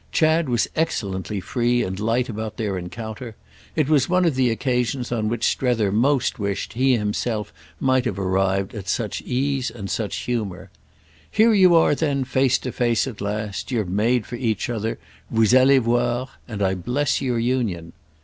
Chad was excellently free and light about their encounter; it was one of the occasions on which Strether most wished he himself might have arrived at such ease and such humour: "Here you are then, face to face at last; you're made for each other—vous allez voir; and I bless your union."